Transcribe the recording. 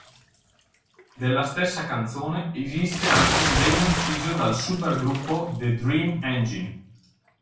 Della stessa canzone esiste anche un demo inciso dal super-gruppo "The Dream Engine".